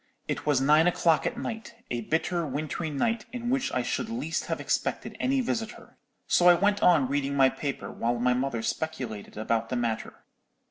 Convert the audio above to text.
It was nine o'clock at night, a bitter wintry night, in which I should least have expected any visitor. So I went on reading my paper, while my mother speculated about the matter.